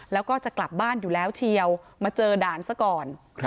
แล้วก็จะกลับบ้านอยู่แล้วเชียวมาเจอด่านซะก่อน